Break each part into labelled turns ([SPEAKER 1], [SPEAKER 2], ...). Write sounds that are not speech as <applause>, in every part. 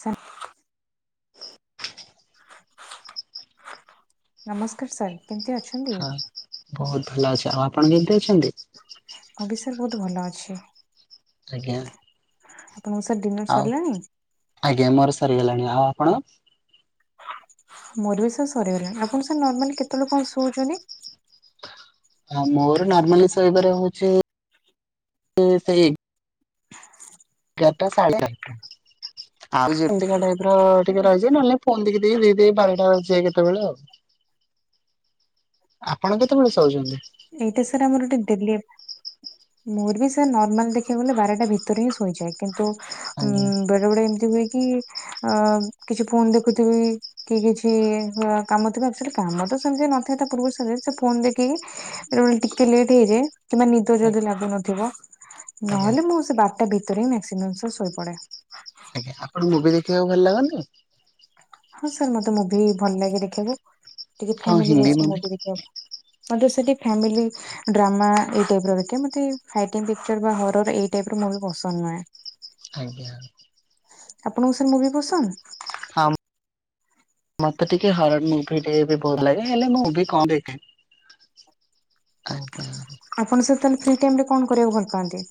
[SPEAKER 1] ସାତ
[SPEAKER 2] <inaudible>
[SPEAKER 1] ନମସ୍କାର ସାର୍। କେମତି ଅଛ?
[SPEAKER 2] ହଁ ବହୁତ ଭଲ ଅଛ। ଆଉ ଆପଣ କେମିତି ଅଛନ୍ତି?
[SPEAKER 1] ମୁଁ ବି ସାର ବହୁତ ଭଲ ଅଛି।
[SPEAKER 2] ଆଜ୍ଞା।
[SPEAKER 1] ମଉସା ଡିନର୍
[SPEAKER 2] ଆଉ
[SPEAKER 1] ସରିଲାଣି?
[SPEAKER 2] ଆଜ୍ଞା ମୋର ସରିଗଲାଣି। ଆଉ ଆପଣ?
[SPEAKER 1] ମୋର ବି ସାର୍ ସରିଗଲାଣି। ଆପଣ ସାର୍ ନର୍ମାଲି କେତେ ବେଳେ କଣ ଶୋଉଛନ୍ତି?
[SPEAKER 2] ହଁ ମୋର ନର୍ମାଲି ଶୋଇବାରେ ହଉଛି <unintelligible> ସେଇ ଏଗାରଟା ସାଢ଼େ ଚାରିଟା।
[SPEAKER 1] <inaudible>
[SPEAKER 2] ଆଉ ଯେମତିକା ଟାଇପର ଟିକେ ରହିଛି ନହେଲେ ଫୋନି ଦେଇି ଦେଇ ବାରଟା ବାଜି ଯାଏ କେତେବେଳେ ଆଉ।
[SPEAKER 1] <inaudible>
[SPEAKER 2] ଆପଣ କେତେବେଳେ ଶହୁଛନ୍ତି?
[SPEAKER 1] ଏଇଟା ସାର୍ ଆମର ଗୋଟେ ଦେଲି ମୋର ବି ସାର୍ ନର୍ମାଲ ଦେଖିବାକୁ ଗଲେ ବାରଟା ଭିତରେ ହିଁ ଶୋଇଯାଏ। କିନ୍ତୁ ଉ
[SPEAKER 2] ଆଜ୍ଞା
[SPEAKER 1] ବେଳେ ବେଳେ ଏମିତି ହୁଏ କି? ଅ କିଛି ଫୋନ ଦେଖୁଥିବି। କି କିଛି କାମ ଥିବ। ଅଚୁଆଲି କାମ ତ ସେମିତି ନଥାଏ ତା ପୂର୍ବରୁ ସେ ଫୋନ ଦେଖିକି? ବେ ଟିକେ ଲେଟ୍ ହେଇଯାଏ କିମ୍ବା ନିଦ ଯଦି ଲାଗୁନଥିବ।
[SPEAKER 2] ଆଜ୍ଞା
[SPEAKER 1] ନହେଲେ ମୁଁ ସେ ବାରଟା ଭିତରେ ହିଁ ମ୍ୟାସିମମ ସାର ଶୋଇପଡେ।
[SPEAKER 2] ଆପଣଙ୍କୁ ମୁଭି ଦେଖିବାକୁ ଭଲ ଲାଗନ୍ତି।
[SPEAKER 1] ହଁ ସାର୍ ମତେ ମୁଭି ଭଲ ଲାଗେ ଦେଖିବାକୁ। ଟିକେ
[SPEAKER 2] କଣ
[SPEAKER 1] ଫାମିଲ
[SPEAKER 2] ହିନ୍ଦୀ
[SPEAKER 1] ବେସଡ ମୁଭି ଦେଖିବାକୁ। ମାତ୍ର ସେଠି ଫ୍ୟାମିଲି। ଡ୍ରାମା ଏଇ ଟାଇପର ଦେଖେ ମତୋଇ ପିକଚର ବା ହରର ଏଇ ଟାଇପର ମୁଁ ବି ପସନ୍ଦ ନୁହେଁ। <inaudible>
[SPEAKER 2] ଆଜ୍ଞା।
[SPEAKER 1] ଆପଣଙ୍କୁ ସାର ମୁଭି ପସନ୍ଦ?
[SPEAKER 2] ହଁ ମତେ ଟିକେ ହର ମୁଭି ଟିକେ ବି ଭଲ ଲାଗେ, ହେଲେ ମୁଁ ମୁଭି କମ ଦେଖେ। ଆଜ୍ଞା।
[SPEAKER 1] ଆପଣ ସତ ତାହେଲେ ଫ୍ରି ଟାଇମ୍ ରେ କଣ କରିବାକୁ ଭଲ ପାଆନ୍ତି?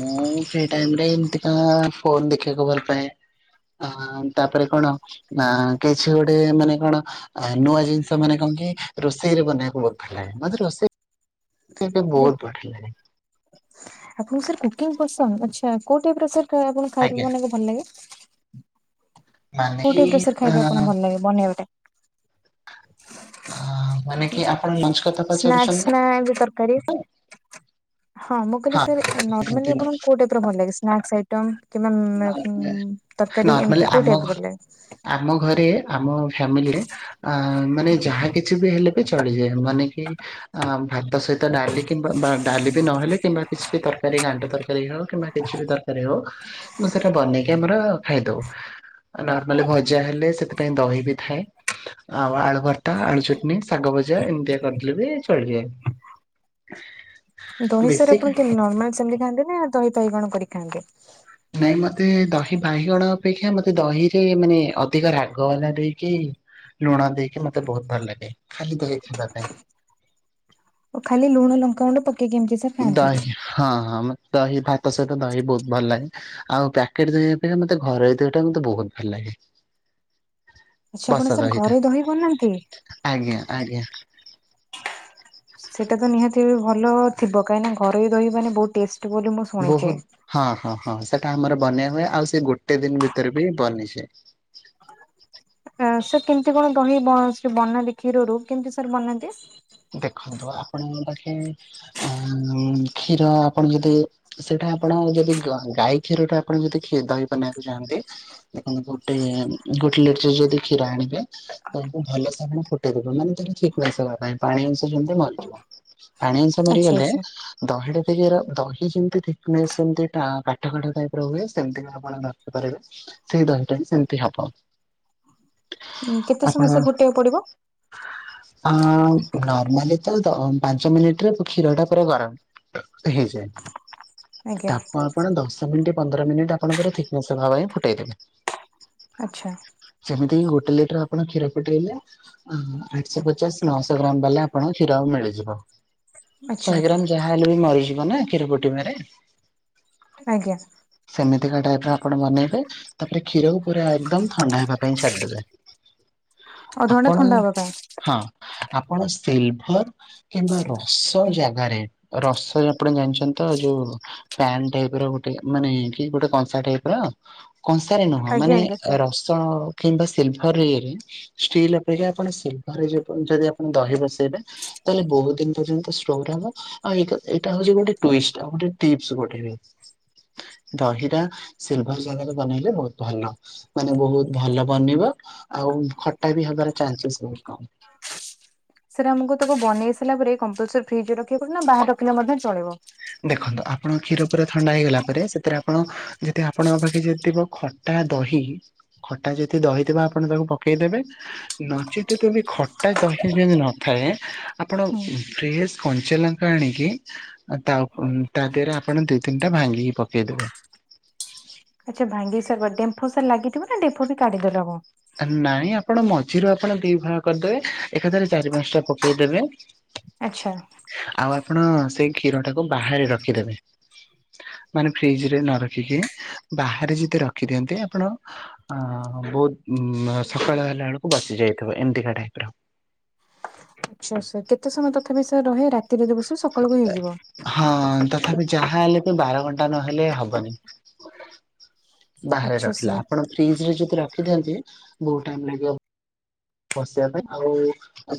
[SPEAKER 2] ମୁଁ ସେଇ ଟାଇମ୍ ରେ ଏମତି କ ଫୋନ ଦେଖିବାକୁ ଭଲ ପାଏ। ଅ ତାପରେ କଣ ନା କିଛି ଗୋଟେ ମାନେ କଣ ଆ ନୂଆ ଜିନିଷ ମାନେ କଣ କି ରୋଷେଇରେ ବନେଇବାକୁ ବୋହୁତ୍ ଭଲ ଲାଗେ। ମୋତେ ରୋଷେଇ ଏବେ
[SPEAKER 1] ଆରେ
[SPEAKER 2] ବୋହୁତ୍ ବଢିଆ ଲାଗେ।
[SPEAKER 1] ଆପଣଙ୍କୁ ସାର୍ କୁକିଂ ପସନ୍ଦ, ଆଛା କୋଉ ଟାଇପ୍ ସାର୍ ଆପଣ ଖାଇ
[SPEAKER 2] ଆଜ୍ଞା
[SPEAKER 1] ମାନେ ଭଲ ଲାଗେ?
[SPEAKER 2] ମାନେ
[SPEAKER 1] କୋଉ
[SPEAKER 2] କି
[SPEAKER 1] ଟାଇପ୍ ର ସାର୍
[SPEAKER 2] ଅ
[SPEAKER 1] ଖାଇବେ ଆପଣଙ୍କୁ ଭଲ ଲାଗେ ବନେଇବାଟା?
[SPEAKER 2] ମାନେ କି ଆପଣ ଲଞ୍ଚ କଥା
[SPEAKER 1] ସ୍ନାକ୍ସ
[SPEAKER 2] ପଚାରୁଛନ୍ତି ତ?
[SPEAKER 1] ନା ଏ ଯୋଉ ତରକାରୀ? ହଁ ମୁଁ କହିଲି ସେ ନର୍ମାଲି ଆପଣଙ୍କୁ କୋଉ ଟାଇପ୍ ର ଭଲ ଲାଗେ ସ୍ନା <unintelligible> ତରକାରୀ
[SPEAKER 2] ନର୍ମାଲି
[SPEAKER 1] ଏମିତି କୋଉ
[SPEAKER 2] ଆମ
[SPEAKER 1] ଟାଇପ୍ ର ଭଲ ଲାଗେ?
[SPEAKER 2] ଆମ ଘରେ ଆମ ଫ୍ୟାମିଲିରେ ଆ ମାନେ ଯାହା କିଛି ବି ହେଲେ ବି ଚଳିଯାଏ। ମାନେ କି ଅ ଭାତ ସହିତ ଡାଲି କିମ୍ବା ଡାଲି ବି ନହଲେ କିମ୍ବା କିଛି ବି ତରକାରୀ ଗାଣ୍ଟ ତରକାରୀ ହଉ କିମ୍ବା କିଛି ବି ତରକାର ହଉ ମୁଁ ସେଇଟା ବନେଇକି ଆମର ଖାଇଦଉ। ନର୍ମାଲି ଭଜା ହେଲେ ସେଥିପାଇଁ ଦହି ବି ଥାଏ। ଆଉ ଆଳୁ ଭର୍ତ୍ତା ଆଳୁ ଚଟନୀ ଶାଗ ଭଜା ଏମିତିଆ କରିଦେଲେ ବି ଚଳି ଯାଏ। ହ <unintelligible>
[SPEAKER 1] ଦହି ସାର ଆପଣ କେମିତି ନର୍ମାଲ ସେମିତି ଖାଆନ୍ତେ ନା ଦହି ବାଇଗଣ କରିକି ଖାଆନ୍ତି?
[SPEAKER 2] ନାଇଁ ମତେ ଦହି ବାଇଗଣ ଅପେକ୍ଷା ମତେ ଦହିରେ ମାନେ ଅଧିକ ରାଗ ବାଲା ଦେଇକି ଲୁଣ ଦେଇକି ମତେ ବୋହୁତ୍ ଭଲ ଲାଗେ। ଖାଲି ତ ଖାଇବା ପାଇଁ।
[SPEAKER 1] ଓ ଖାଲି ଲୁଣ ଲଙ୍କା ମୁଣ୍ଡ ପକେଇ କେମିତି ତ?
[SPEAKER 2] ଦହି ହଁ ହଁ ମେ ଦହି ଭାତ ସହିତ ଦହି ବୋହୁତ୍ ଭଲ ଲାଗେ। ଆଉ ପ୍ୟାକେଟ୍ ଦହି ଅପେକ୍ଷା ମତେ ଘରୋଇ ଦହି ଟା ମତେ ବହୁତ୍ ଭଲ ଲାଗେ।
[SPEAKER 1] <unintelligible> ଆଚ୍ଛା ଆପଣ ସାର୍
[SPEAKER 2] ବସଦ ଏଇଟା,
[SPEAKER 1] ଘରେ ଦହି ବନାନ୍ତି?
[SPEAKER 2] ଆଜ୍ଞା ଆଜ୍ଞା।
[SPEAKER 1] ସେଇଟା ତ ନିହାତି ଭଲ ଥିବ କାହିଁକିନା ଘରେ ରହିବନି ବହୁତ୍ ଟେଷ୍ଟ ବୋଲି। ଶୁଣିଛି।
[SPEAKER 2] ବୋହୁତ୍ ହଁ ହଁ ହଁ, ସେଟା ଆମର ବନେଇ ହୁଏ ଆଉ ସେ ଗୋଟେ ଦିନ ଭିତରେ ବି ବନିଛେ।
[SPEAKER 1] ହଁ ସେ କେମିତି କଣ ଦହି ବନାନ୍ତି କ୍ଷୀରରୁ କେମିତି ସାର୍ ବନାନ୍ତି?
[SPEAKER 2] ଦେଖନ୍ତୁ ଆପଣ ବାକେ ଅ କ୍ଷୀର ଆପଣ ଯଦି ସେଇଟା ଆପଣ ଯଦି ଗାଈ କ୍ଷୀର ଟା ଆପଣ ଯଦି କ୍ଷ ଦହି ବନବାକୁ ଚାହାନ୍ତି ଦେଖ ଗୋଟେ ଗୋଟେ ଲିଟର ଯଦି କ୍ଷୀର ଆଣିବେ ତମକୁ ଭଲସେ ମାନେ ଫୁଟେଇଦବ ମାନେ ତମେ ଠିକ୍ ନବା ପାଇଁ। ପାଣି ଅଂଶ ଯେମିତି ମରିଯିବ। ପାଣି ଅଂଶ
[SPEAKER 1] ଆଚ୍ଛା
[SPEAKER 2] ମରିଗଲେ
[SPEAKER 1] ଆଚ୍ଛା
[SPEAKER 2] ଦହିଟା ଟିକେ ଦହି ଯେମିତି ଠିକ୍ ସେ ଯେମିତି କାଠ କାଠ ଟାଇପ୍ ର ହୁଏ ସେମିତିକ ଆପଣ ଧଖିପାରିବେ। ସେଇ ଦହିଟା ବି ସେମିତି ହବ।
[SPEAKER 1] ଉଁ କେତେ ସମୟ ସେ ଫୁଟେଇବାକୁ ପଡିବ?
[SPEAKER 2] ହ <unintelligible> ନର୍ମାଲି ତ ପାଞ୍ଚ ମିନିଟରେ କ୍ଷୀର ଟା ପୁରା ଗରମ ହେଇଯାଏ।
[SPEAKER 1] ଆଜ୍ଞା
[SPEAKER 2] ତାପ ଆପଣ ଦଶ ମିନିଟ୍ ପନ୍ଦର ମିନିଟ୍ ଆପଣଙ୍କର ଠିକ୍ ନେସ୍ ହବା ପାଇଁ ଫୁଟେଇଦବେ।
[SPEAKER 1] ଆଚ୍ଛା।
[SPEAKER 2] ସେମିତି ଗୋଟେ ଲିଟର ଆପଣ କ୍ଷୀର ଫୁଟେଇଲେ ଆଠଶହ ପଚାଶ ନଅଶହ <unintelligible> ବାଲା ଆପଣ କ୍ଷୀର ଆଉ ମିଳିଯିବ।
[SPEAKER 1] ଆଚ୍ଛା
[SPEAKER 2] ଶହେ ଗ୍ରାମ୍ ଯା ଯା ହେଲେ ବି ମରିଯିବ ନା କ୍ଷୀର ଫୁଟେଇ ବରେ।
[SPEAKER 1] ଆଜ୍ଞା।
[SPEAKER 2] ସେମିତିକା ଟାଇପ୍ର ଆପଣ ବନେଇବେ? ତାପରେ କ୍ଷୀରକୁ ପୁରା ଏକଦମ ଥଣ୍ଡା ହେବା ପାଇଁ ଛାଡିଦେବେ।
[SPEAKER 1] ଅଧଘଣ୍ଟା
[SPEAKER 2] ଆପଣ
[SPEAKER 1] ଥଣ୍ଡା ହବା ପାଇଁ।
[SPEAKER 2] ହଁ ଆପଣ ସିଲ୍ଭର କିମ୍ବା ରସ ଜାଗାରେ ରସ ଯଉ ଆପଣ ଜାଣିଚନ୍ତି ତ ଯୋଉ ପ୍ୟାନ୍ ଟାଇପ୍ ର ଗୋଟେ ମାନେ କି ଗୋଟେ କଂସା ଟାଇପ୍ ର। କଂସାରେ ନୁହଁ
[SPEAKER 1] ଆଜ୍ଞା
[SPEAKER 2] ମାନେ
[SPEAKER 1] ଆଜ୍ଞା ସାର୍।
[SPEAKER 2] ରସ। କିମ୍ବା ସିଲଭର ଇରେ ଷ୍ଟିଲ୍ ଅପେକ୍ଷା ଆପଣ ସିଲଭର ରେ ଯଦି ଆପଣ ଦହି ବସେଇବେ ତାହେଲେ ବହୁତ ଦିନ ପର୍ଯ୍ୟନ୍ତ <unintelligible> ହବ ଆଉ ଏଟା- ଏଟା ହଉଛି ଗୋଟେ ଟୁଇଷ୍ଟ୍ ଆଉ ଗୋଟେ ଟିପ୍ସ ଗୋଟେ ବି। ଦହିଟା ସିଲଭର ଜାଗାରେ ବନେଇଲେ ବହୁତ୍ ଭଲ। ମାନେ ବହୁତ ଭଲ ବନିବ ଆଉ ଖଟା ବି ହବାର ଚାନ୍ସସ୍ ବହୁତ କମ୍।
[SPEAKER 1] ସେଟ ଆମକୁ ତାକୁ ବନେଇ ସାରା ପରେ କମ୍ପଲସରି ଫ୍ରିଜ ରଖିବା ପଡିବ ନା ବାହାର ରଖିଲେ ମଧ୍ୟ ଚଳିବ?
[SPEAKER 2] ଦେଖନ୍ତୁ ଆପଣଙ୍କ କ୍ଷୀର ପୁରା ଥଣ୍ଡା ହେଇଗଲା ପରେ ସେଥିରେ ଆପଣ ଯଦି ଆପଣଙ୍କ ପାଖେ ଯଦି ଥିବ ଖ ଖଟା ଦହି ଖଟା ଯଦି ଦହିଥିବ ଆପଣ ତାକୁ ପକେଇଦେବେ ନଚେତ ତୁ ବି ଖଟା ଦହି ଯଦି ନଥାଏ ଆପଣ ଫ୍ରେଶ କଞ୍ଚଲା ଆଣିକି ତା ଉପ-ତା ଦେହେରେ ଆପଣ ଦି ତିନିଟା ଭାଙ୍ଗିକି ପକେଇଦେବେ।
[SPEAKER 1] ଆଚ୍ଛା ଭାଙ୍ଗି ସାର ଡେମ୍ଫୋ ସାର୍ ଲାଗିଥିବ ନା ଡେମ୍ଫୋ ବି କାଢିଦେଲେ ହବ।
[SPEAKER 2] ନାଇଁ ଆପଣ ମଝିରୁ ଆପଣ ଦି ଭାଗ କରିଦେବେ ଏକାଥରେ ଚାରି ପାଞ୍ଚଟା ପକେଇଦେବେ
[SPEAKER 1] ଆଛା।
[SPEAKER 2] ଆଉ ଆପଣ ସେଇ କ୍ଷୀର ଟାକୁ ବାହାରେ ରଖିଦେବେ। ମାନେ ଫ୍ରିଜ ରେ ନ ରଖିକି ବାହାରେ ଯତେ ରଖିଦିଅନ୍ତି ଆପଣ ଅ ବହୁତ ଉ ସକାଳ ହେଲା ବେଳକୁ ବାସି ଯାଇଥିବ ଏମତିକା ଟାଇପ ର।
[SPEAKER 1] ଆଚ୍ଛା ଆଚ୍ଛା କେତେ ସମୟ ତଥାପି ସେ ରହେ ରାତିରେ ଯଦି ଦେବସ ସକାଳ କୁ ହେଇଯିବ?
[SPEAKER 2] ହଁ ତଥାପି ଯାହା ହେଲେ ବି ବାର ଘଣ୍ଟା ନହେଲେ ହବନି। ବାହାରେ
[SPEAKER 1] ଆଚ୍ଛା
[SPEAKER 2] ରହିଲା
[SPEAKER 1] ସାର୍।
[SPEAKER 2] ଆପଣ ଫ୍ରିଜ୍ ରେ ଯଦି ରଖିଦିଅନ୍ତି ବହୁତ୍ ଟାଇମ୍ ଲାଗିବ ବସିବା ପାଇଁ ଆଉ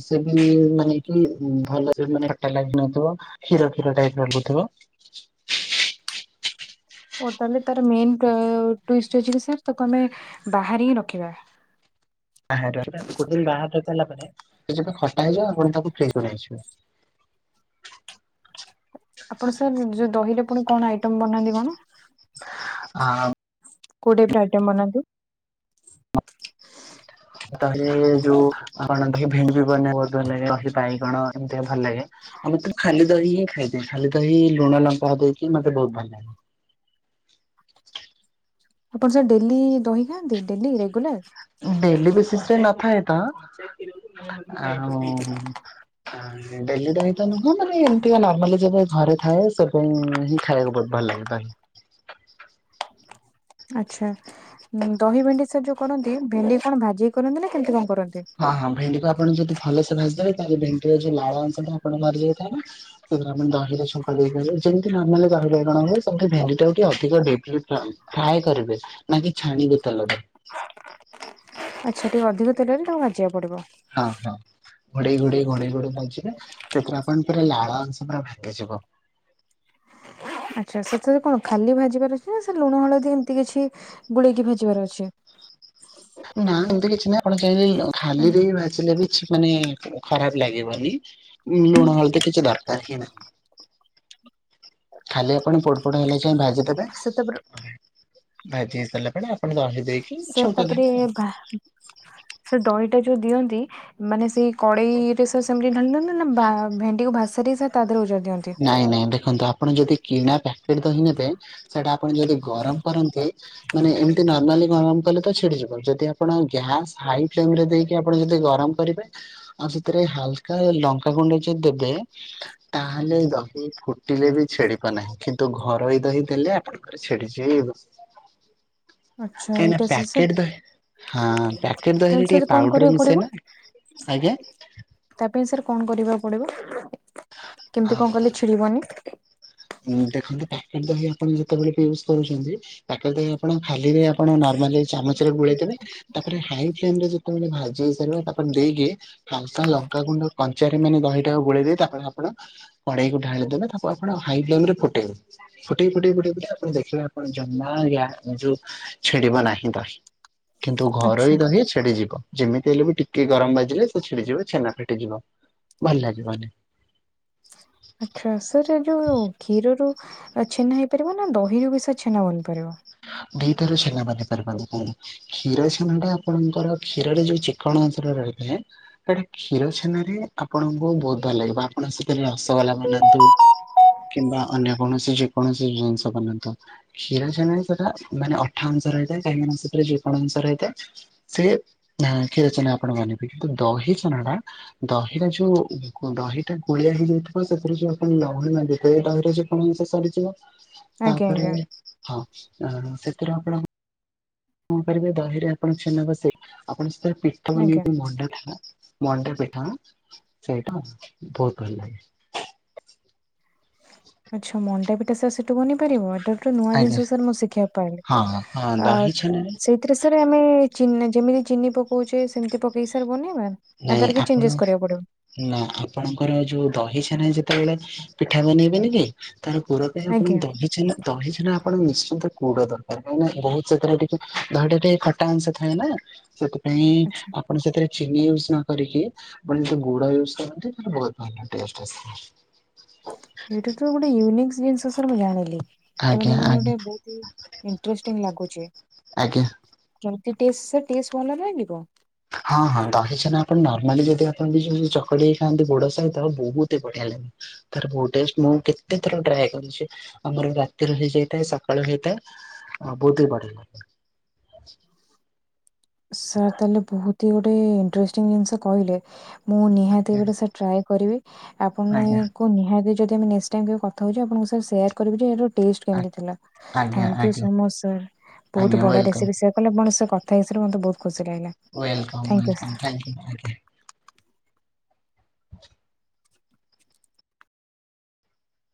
[SPEAKER 2] ସେ ବି ମାନେ କି ଭଲ ସେ ଖଟା ଲାଗି ନଥିବ କ୍ଷୀର କ୍ଷୀର ଟାଇପ୍ ଲାଗୁଥିବ।
[SPEAKER 1] ଓ ତାହେଲେ ତାର ମେନ୍ ଟ-ଟୁ ଇଷ୍ଟ ଅଛି କି ସାର୍ ତାକୁ ଆମେ ବାହାର ହିଁ ରଖିବା।
[SPEAKER 2] ଆ ଗୋଟେ ଦିନ ବାହାରାରିଲ ପରେ ସେ ଯ ଖଟା ହେଇଯିବ ଆପଣ ତାକୁ ଫ୍ରୀଜ୍ କୁ ନେଇଯିବେ।
[SPEAKER 1] ଆପଣ ସାର୍ ଯୋଉ ଦହିରେ ପୁଣି କଣ ଆଇଟମ ବନାନ୍ତି କଣ?
[SPEAKER 2] ଆଉ
[SPEAKER 1] କୋଉ ଟାଇପ୍ ର ଆଇଟମ୍ ବନାନ୍ତି?
[SPEAKER 2] ତାହେଲେ ଏ ଯୋଉ ଆ କଣ ଭେଣ୍ଡି <unintelligible> ବାଇଗଣ ଏମତି ଟିକେ ଭଲ ଲାଗେ। ଆମେ ତେ ଖାଲି ଦହି ହିଁ ଖାଇଥାଏ ଖାଲି ଦହି ଲୁଣ ଲଙ୍କା ଦେଇକି ମତେ ବହୁତ୍ ଭଲ ଲାଗେ।
[SPEAKER 1] ଆପଣ ସାର୍ ଡେଲି ଦହି ଖାଆନ୍ତି ଡେଲି ରେଗୁଲାର?
[SPEAKER 2] ଡେଲି ବେସିସ୍ ରେ ନଥାଏ ତ ଆଉଁ <unintelligible> ଡେଲି ଦହି ତ ନୁହଁ ମାନେ ଏମତିକା ନର୍ମାଲି ଯେବେ ଘରେ ଥାଏ ସେବେ ହିଁ ଖାଇବାକୁ ବହୁତ୍ ଭଲ ଲାଗେ ଦହି।
[SPEAKER 1] ଆଛା ଦହି ଭେଣ୍ଡି ସାର୍ ଯୋଉ କରନ୍ତି ଭେଣ୍ଡିକି କଣ ଭାଜିିକି କରନ୍ତି ନା କେମିତି କଣ କରନ୍ତି?
[SPEAKER 2] ହଁ ହଁ ଭେଣ୍ଡିକୁ ଆପଣ ଯଦି ଭଲସେ ଭାଜିଦେବେ ତାହେଲେ ଭେଣ୍ଡିର ଯୋଉ ଲାଳ ଅଂଶଟା ଆପଣ ମରିଯାଇଥାଏ ଆମେ ଦହିରେ ଶୁଖ ଦେଇାର ଯେମିତି ନର୍ମାଲି ଦହି ବାଇଗଣ ହୁଏ ସେନ୍ତୀ ଭେଣ୍ଡି ଟାକୁ ଟିକେ ଅଧିକ ଡିପ୍ ଲି ଫ୍ରାଏ ଫ୍ରାଏ କରିବେ ନା କି ଛାଣିବେ ତେଲ ରେ।
[SPEAKER 1] ଆଚ୍ଛା ଟିକେଏ ଅଧିକ ତେଲାରେ ତାକୁ ଭାଜିବାକୁ ପଡ଼ିବ।
[SPEAKER 2] ହଁ ହଁ। ଘୋଡେଇ ଘୋଡେଇ ଘୋଡେଇ ଘୋଡେଇ ବାଯିବେ ସେଥିରେ ଆପଣ ପୁରା ଲାଳ ଅଂଶ ପୁରା ଭାଙ୍ଗିଯିବ।
[SPEAKER 1] ଆଚ୍ଛା ସେଥିରେ କଣ ଖାଲି ଭାଜି ପାରୁଛି ନା ସେ ଲୁଣ ହଳଦୀ ଏମିତି କିଛି? ଗୁଳେଇକି ଭାଜିବାର ଅଛି।
[SPEAKER 2] ନା ଏମିତି କିଛି ନାହିଁ ଆପଣ ଚାହିଁଲେ ଖାଲିରେ ବି ଭାଜିଲେଲେ ବି? ମାନେ ଖରାପ ଲାଗିବନି। ଲୁଣ ହଳ ତ କିଛି ଦରକାର ହି ନାହିଁ। ଖାଲି ଆପଣ ପୋଟ ଫୋଡ ହେଲା ଯାଏ ଭାଜିଦେବେ।
[SPEAKER 1] ସେ ତାପରେ
[SPEAKER 2] ଭାଜି ହେଇ ସାରିଲା ପରେ ଆପଣ ଦହି ଦେଇକି।
[SPEAKER 1] ସେ
[SPEAKER 2] ଛୁଙ୍କ
[SPEAKER 1] ତାପରେ
[SPEAKER 2] ଦେବେ ଆଉ।
[SPEAKER 1] ସେ ଦହିଟା ଯୋଉ ଦିଅନ୍ତି। ମାନେ ସେଇ କଡେଇରେ ସେ ସେମିତି ଢାଲି ଦଅନ୍ତି ନା ବା ଭେଣ୍ଡିକୁ ଭାସାରିକି ତାଦେହରେ ଓଜଡ଼ି ଦିଅନ୍ତି?
[SPEAKER 2] ନାଇଁ ନାଇଁ ଦେଖନ୍ତୁ ଆପଣ ଯଦି କିଣା ପ୍ୟାକେଟ୍ ଦହି ନେବେ ସେଇଟା ଆପଣ ଯଦି ଗରମ କରନ୍ତି। ମାନେ ଏମିତି ନମାଲି ଗରମ କଲେ ତ ଛିଡିଯିବ ଯଦି ଆପଣ ଗ୍ୟାସ୍ ହାଇ ଫ୍ଲେମରେ ଦେଇକି ଆପଣ ଯଦି ଗରମ। କରିବେ ଆଉ ସେଥିରେ ହାଲକା ଲଙ୍କାଗୁଣ୍ଡ ଯଦି ଦେବେ। ତାହେଲେ ଦହି ଫୁଟିଲେ ବି ଛିଡ଼ିବ ନାହିଁ। କିନ୍ତୁ ଘରୋଇ ଦହି ଦେଲେ ଆପଣ ଛିଡିଯିବ।
[SPEAKER 1] <inaudible> ଆଚ୍ଛା
[SPEAKER 2] କାହିଁକିନା
[SPEAKER 1] ଏଇଟା ସେ ସାର୍
[SPEAKER 2] ପ୍ୟାକେଟ ଦହି ହଁ ପ୍ୟାକେଟ୍
[SPEAKER 1] ତାହେଲେ
[SPEAKER 2] ଦହିରେ
[SPEAKER 1] ସାର୍
[SPEAKER 2] ଟିକେ
[SPEAKER 1] କଣ
[SPEAKER 2] ପାଉଡର
[SPEAKER 1] କରିବାକୁ ପଡିବ?
[SPEAKER 2] ମିଶେନା? ଆଜ୍ଞା।
[SPEAKER 1] ତା ପାଇଁ ସାର୍ କଣ କରିବାକୁ ପଡିବ?
[SPEAKER 2] ଆ
[SPEAKER 1] କେମିତି କଣ କଲେ ଛିଡିବନି?
[SPEAKER 2] ଦେଖନ୍ତୁ ପ୍ୟାକେଟ ଦହି ଆପଣ ଯେତେବେଳେ ୟୁଜ୍ କରୁଛନ୍ତି? ପ୍ୟାକେଟ ଦହି ଆପଣ ଖାଲିରେ ଆପଣ ନର୍ମାଲି ଚାମଚରେ ଗୋଳେଇଦେବେ। ତାପରେ ହାଇ ଫ୍ଲେମରେ ଯେତେବେଳେ ଭାଜି ହେଇସାରିବ ତାପରେ ଦେଇକି। ହାଲକା ଲଙ୍କାଗୁଣ୍ଡ କଞ୍ଚାରେ ମାନେ ଦହିଟାକୁ ଗୋଳେଇ ଦେଇ ତାପରେ ଆପଣ କଡେଇକୁ ଢାଳିଦବା ତାକୁ ଆପଣ ହାଇ ଫେମରେ ଫୁଟେଇବେ। ଫୁଟେଇ ଫୁଟେଇ ଫୁଟେଇ ଫୁ ଆପଣ ଦେଖିବେ ଆପଣ ଜମା ଆ ଯୋଉ ଛିଡିବ ନାହିଁ ଦହି। କିନ୍ତୁ
[SPEAKER 1] ଆଚ୍ଛା
[SPEAKER 2] ଘରୋଇ ଦହି ଛିଡିଯିବ। ଯେମିତି ହେଲେ ବି ଟିକେ ଗରମ ବାଜିଲେ ସେ ଛିଡିଯିବ ଛେନା ଫିଟିଯିବ। ଭଲ ଲାଗିବନି।
[SPEAKER 1] ଆଚ୍ଛା ସାର୍ ଏ ଯୋଉ କ୍ଷୀରରୁ ଛେନା ହେଇପାରିବ ନା ଦହିରୁ ବି ସେ ଛେନା ବନି ପାରିବ?
[SPEAKER 2] <unintelligible> କ୍ଷୀର ଛେନାଟା ଆପଣଙ୍କର କ୍ଷୀରରେ ଯୋଉ ଚିକଣ ଅଂଶଟା ରହିଥାଏ। କା କ୍ଷୀର ଛେନାରେ ଆପଣଙ୍କୁ ବହୁତ ଭଲ ଲାଗିବ। ଆପଣ ସେଥିରେ ରସଗୋଲା ବନାନ୍ତୁ। କିମ୍ବା ଅନ୍ୟ କୌଣସି ଯେ କୌଣସି ଜିନିଷ ବନାନ୍ତୁ କ୍ଷୀର ଛେନା ସେଟା ମାନେ ଅଠା ଅଂଶ ରହିଥାଏ କାହିଁକିନା ମାନ ସେଥିରେ ଯେକୋଣସି ଅଂଶ ରହିଥାଏ। ସେ କ୍ଷୀରଛେନା ନା ଆପଣ ମାନିବେ କିନ୍ତୁ ଦହି ଛେନାଟା। ଦହିଟା ଯୋଉ ଦହିଟା ଗୋଳିଆ ହେଇଯାଇଥିବ ସେଥିରେ ଯୋଉ ଆପଣ ଲହୁଣୀ ମାଗିଥିବେ ଦହିରେ ଯୋଉ <unintelligible> ସରିଯିବ।
[SPEAKER 1] <inaudible>
[SPEAKER 2] ତାପରେ
[SPEAKER 1] ଆଜ୍ଞା
[SPEAKER 2] ହଁ। ସେଥିରୁ ଆପଣ କଣ କରିବେ? ଦହିରେ ଆପଣ ଛେ୍ନା ବସେ ଆପଣଙ୍କ ସେଥିରେ ପିଠା
[SPEAKER 1] ଆଜ୍ଞା।
[SPEAKER 2] ନେଇ ମଣ୍ଡା ଥିଲା। ମଣ୍ଡା ପିଠା ସେଇଟା ବହୁତ ଭଲ ଲାଗେ।
[SPEAKER 1] ଆଚ୍ଛା ମଣ୍ଡା ପିଠା ସେ ସେଠୁ ବନେଇ ପାରିବ। <unintelligible> ନୂଆ
[SPEAKER 2] ଆଜ୍ଞା
[SPEAKER 1] ଜିନିଷ ସ ମୁଁ ଶିଖିବାକୁ ପାଇଲି
[SPEAKER 2] ହଁ ହଁ
[SPEAKER 1] ଆ
[SPEAKER 2] ଦହି ଛେନାରେ
[SPEAKER 1] ସେ ଏଥିରେ ସାର୍ ଆମେ ଚ ଯେମିତି ଚିନି ପକଉଛେ ସେମିତି ପକେଇ ସାର ବନେଇ
[SPEAKER 2] ନାଇଁ
[SPEAKER 1] <unintelligible> ର କି
[SPEAKER 2] ଆପଣ
[SPEAKER 1] ଚେଞ୍ଜେସ କରିବାକୁ ପଡିବ।
[SPEAKER 2] ନା ଆପଣଙ୍କର ଯୋଉ ଦହି ଛାନ ଯେତେବେଳେ ପିଠା ବନେଇବେନି କି ତାର ପୁର ସେ ଆପଣଙ୍କୁ
[SPEAKER 1] ଆଜ୍ଞା
[SPEAKER 2] ଦହି ଛେନା ଦହି ଛେନା ଆପଣ ନିଶ୍ଚିନ୍ତ କୁଡ ଦରକାର କାହିଁକି ନା ବହୁ ସେଥିରେ ଟିକେ ଦହି ଟା ଟିକେ ଖଟା ଅଂଶ ଥାଏ ନା। ସେଥିପାଇଁ
[SPEAKER 1] ଆଚ୍ଛା
[SPEAKER 2] ଆପଣ ସେଥିରେ ଚିନି କରିକି ଆପଣ ଯଦି ଗୁଡ଼ ଇୟୁଜୁ କରନ୍ତି ତାହାଲେ ବହୁତୁ ଭଲ ଟେଷ୍ଟ ଆସିବ।
[SPEAKER 1] ଏଇଠୁ ତ ଗୋଟେ ୟୁନିକ୍ ଜିନନ୍ସ ସାର ମୁଁ ଜାଣିଲି। ସେଟା
[SPEAKER 2] ଆଜ୍ଞା
[SPEAKER 1] ମାନେ ମାନେ
[SPEAKER 2] ଆଜ୍ଞା
[SPEAKER 1] ଗୋଟେ ବହୁତୁ ଇଣ୍ଟରଷ୍ଟିଙ୍ଗି ଲାଗୁଚି।
[SPEAKER 2] ଆଜ୍ଞା
[SPEAKER 1] କେମିତି ଟେଷ୍ଟ ସାର ଟେଷ୍ଟ ଭଲ ଲାଗିବ? <unintelligible>
[SPEAKER 2] ହଁ ହଁ ଦହି ଛେନା ଆପଣ ନର୍ମାଲି ଯଦି ଆପଣ ଵି ଯଦି ଚକଡି ହେଇ ଖାଆନ୍ତି ଗୁଡ଼ ସହିତ ବହୁତି ବଢିଆ ଲାଗିବ। ତାର ବହୁ ଟେଷ୍ଟ ମୁଁ କେତେ ଥର ଟ୍ରାଏ କରିଚି ଆମର ରାତିରେ ହେଇଯାଇଥାଏ ସକାଳୁ ହେଇଥାଏ। ଆ ବୋତ ପିଲ <unintelligible>
[SPEAKER 1] ସାର୍ ତାହେଲେ ବହୁତି ଗୋଟେ ଇଣ୍ଟଷ୍ଟିଙ୍ଗି ଜିନିଷ କହିଲେ। ମୁଁ ନିହାତି ଗୋଟେ
[SPEAKER 2] ଲାଗେ।
[SPEAKER 1] ସାର ଟ୍ରାଏ କରିବି ଆପଣ
[SPEAKER 2] ଆଜ୍ଞା
[SPEAKER 1] ନିହାତି ଯଦି ଆମେ ନେଷ୍ଟ ଟାଇମି କଥା ହଉଚି ଆପଣଙ୍କ ସେୟାର କରିବୁ ଯେ ଟେଷ୍ଟ
[SPEAKER 2] ଆଜ୍ଞା
[SPEAKER 1] କେମିତି ଥିଲା
[SPEAKER 2] ଆଜ୍ଞା
[SPEAKER 1] ଥାଙ୍କୁ
[SPEAKER 2] ଆଜ୍ଞା
[SPEAKER 1] ସାର ମ ସ ବହୁତୁ
[SPEAKER 2] ଆଜ୍ଞା
[SPEAKER 1] ବଢିଆ
[SPEAKER 2] ୱେଲକମ୍
[SPEAKER 1] ରେସିପି ସେୟା କଲେ ମ କଥା <unintelligible> ସତରେ ମତେ ବହୁ ଖୁସି ଲାଗିଲା।
[SPEAKER 2] Welcome
[SPEAKER 1] thank you sir.
[SPEAKER 2] Welcome thank you ଥାଙ୍କୁ।